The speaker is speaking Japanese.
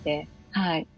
はい。